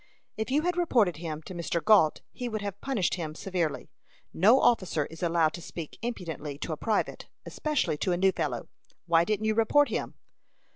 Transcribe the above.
"If you had reported him to Mr. Gault, he would have punished him severely. No officer is allowed to speak impudently to a private, especially to a new fellow. Why didn't you report him?"